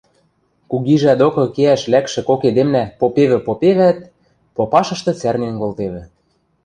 Кугижӓ докы кеӓш лӓкшӹ кок эдемнӓ попевӹ-попевӓт, попашышты цӓрнен колтевӹ.